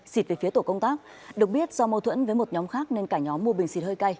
xịt về phía tổ công tác được biết do mâu thuẫn với một nhóm khác nên cả nhóm mua bình xịt hơi cay